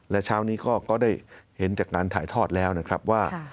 และเช้านี้ก็ได้เห็นจากการถ่ายทอดแล้วนะครับว่า